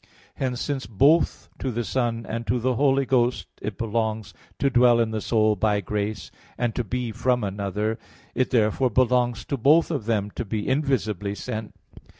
Hence, since both to the Son and to the Holy Ghost it belongs to dwell in the soul by grace, and to be from another, it therefore belongs to both of them to be invisibly sent.